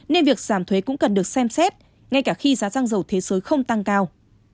nên việc giảm thuế cũng cần được xem xét ngay cả khi giá xăng dầu thế giới không tăng cao